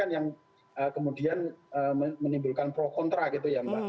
yang kemudian menimbulkan pro kontra gitu ya mbak